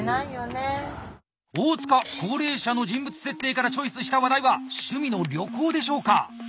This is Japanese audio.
大塚高齢者の人物設定からチョイスした話題は趣味の旅行でしょうか？